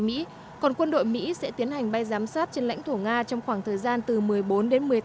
mỹ còn quân đội mỹ sẽ tiến hành bay giám sát trên lãnh thổ nga trong khoảng thời gian từ một mươi bốn đến